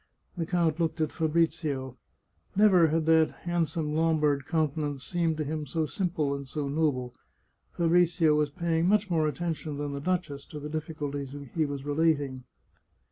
The count looked at Fabrizio. Never had that handsome Lombard countenance seemed to him so simple 150 The Chartreuse of Parma and so noble. Fabrizio was paying much more attention than the duchess to the difficulties he was relating.